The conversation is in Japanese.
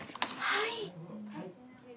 はい。